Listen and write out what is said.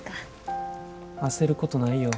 焦ることないよ。